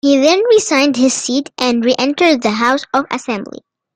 He then resigned his seat and re-entered the house of assembly.